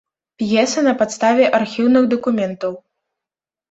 П'еса на падставе архіўных дакументаў.